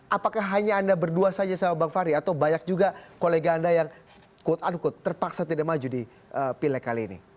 apakah hanya anda berdua saja sama bang fahri atau banyak juga kolega anda yang quote unquote terpaksa tidak maju di pileg kali ini